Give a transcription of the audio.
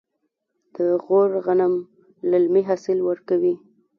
د غور غنم للمي حاصل ورکوي.